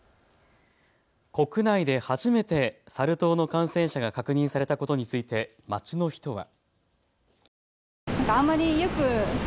国内で初めてサル痘の感染者が確認されたことについて街の人は。